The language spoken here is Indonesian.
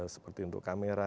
seperti untuk kamera